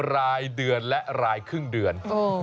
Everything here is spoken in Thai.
รายเดือนและรายครึ่งเดือน